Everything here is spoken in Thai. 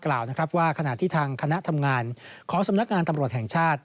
กล่าวนะครับว่าขณะที่ทางคณะทำงานของสำนักงานตำรวจแห่งชาติ